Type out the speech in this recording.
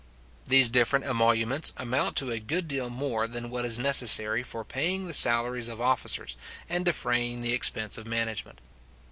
These different emoluments amount to a good deal more than what is necessary for paying the salaries of officers, and defraying the expense of management.